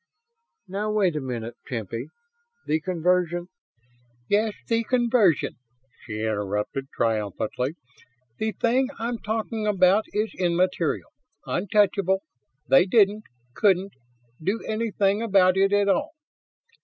"Now wait a minute, Tempy. The conversion ..." "Yes, the conversion," she interrupted, triumphantly. "The thing I'm talking about is immaterial untouchable they didn't couldn't do any thing about it at all.